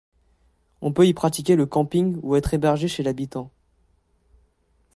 On peut y pratiquer le camping ou être hébergé chez l'habitant.